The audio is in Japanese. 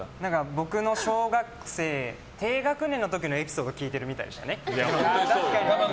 僕の小学生低学年の時のエピソードを聞いているみたいでしたね。